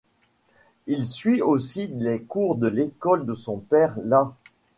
Il suit aussi les cours de l'école de son père, la '.